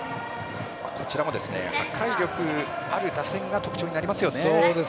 こちらも破壊力ある打線が特徴になりますね。